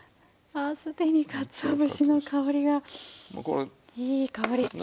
ああすでにかつお節の香りがいい香り！